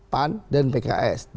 pan dan pks